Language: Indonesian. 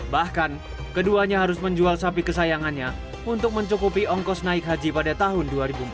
bahkan keduanya harus menjual sapi kesayangannya untuk mencukupi ongkos naik haji pada tahun dua ribu empat belas